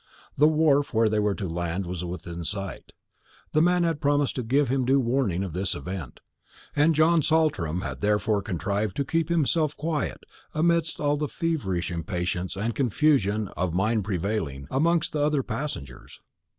The wharf where they were to land was within sight. The man had promised to give him due warning of this event, and John Saltram had therefore contrived to keep himself quiet amidst all the feverish impatience and confusion of mind prevailing amongst the other passengers.